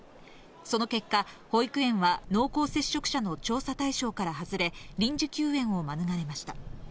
その結果、保育園は濃厚接触者の調査対象から外れ、臨時休園を免れました。